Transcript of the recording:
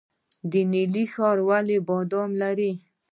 نیلي ښار ولې بادام لري؟